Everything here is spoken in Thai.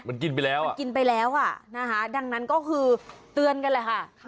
มันกินไปแล้วมันกินไปแล้วอ่ะนะคะดังนั้นก็คือเตือนกันแหละค่ะ